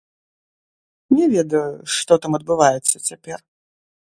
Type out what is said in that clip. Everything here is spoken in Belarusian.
Не ведаю, што там адбываецца цяпер.